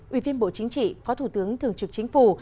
ủy viên bộ chính trị phó thủ tướng thường trực chính phủ